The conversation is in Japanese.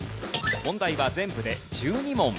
問題は全部で１２問。